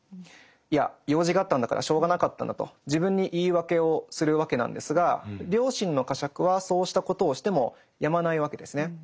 「いや用事があったんだからしょうがなかったんだ」と自分に言い訳をするわけなんですが良心の呵責はそうしたことをしてもやまないわけですね。